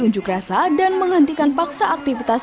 unjuk rasa dan menghentikan paksa aktivitas